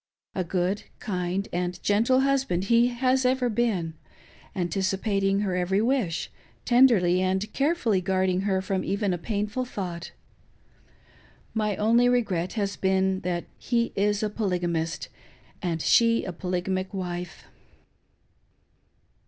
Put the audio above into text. A good, kind, and gentle husband he has ever been, anticipating her every wish, tenderly and carefully guarding her from even a painful thought. My only regret has been that he is a polygamist, and she a polygamic wife.